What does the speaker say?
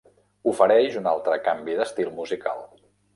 Ofereix un altre canvi d'estil musical.